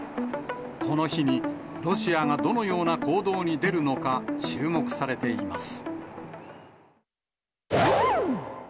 この日に、ロシアがどのような行動に出るのか、注目されています。